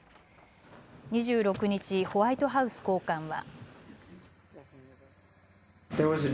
２６日、ホワイトハウス高官は。